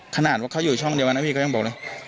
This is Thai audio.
ขนาดว่าเขาอยู่ช่องเดียวกันนะพี่ก็ยังบอกนะ